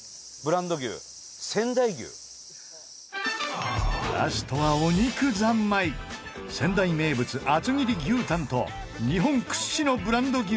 ラストは、お肉ざんまい仙台名物、厚切り牛タンと日本屈指のブランド牛